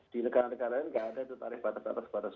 di negara negara ini tidak ada itu tarif batas batas